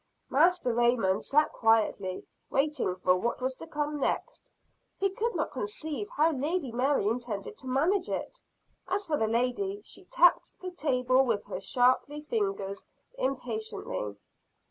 Master Raymond sat quietly waiting for what was to come next. He could not conceive how Lady Mary intended to manage it. As for the lady, she tapped the table with her shapely fingers impatiently.